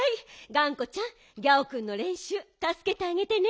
がんこちゃんギャオくんのれんしゅうたすけてあげてね。